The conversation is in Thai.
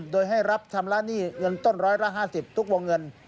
โดยให้รับชำระหนี้เงินต้นร้อยละ๕๐ทุกวงเงิน